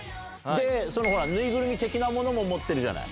で縫いぐるみ的なものも持ってるじゃない。